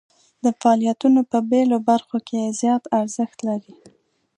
دا فعالیتونه په بیلو برخو کې زیات ارزښت لري.